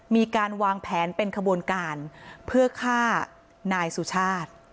มีการวางแผนเป็นขบวนการเพื่อฆ่านายสุชาติ